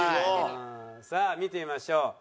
さあ見てみましょう。